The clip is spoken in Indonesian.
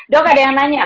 dok ada yang nanya